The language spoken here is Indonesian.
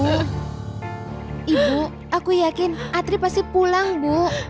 ibu aku yakin atri pasti pulang bu